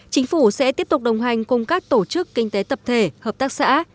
chính phủ sẽ tiếp tục đồng hành cùng các tổ chức kinh tế tập thể hợp tác xã